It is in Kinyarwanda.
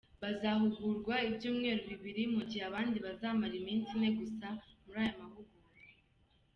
Bazahugurwa ibyumweru bibiri, mu gihe abandi bazamara iminsi ine gusa muri aya mahugurwa.